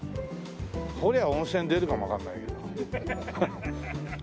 掘りゃ温泉出るかもわかんないけど。